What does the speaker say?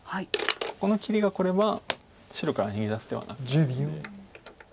この切りがこれば白から逃げ出す手はなくなるので。